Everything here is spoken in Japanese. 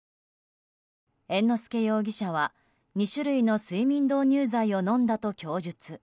猿之助容疑者は２種類の睡眠導入剤を飲んだと供述。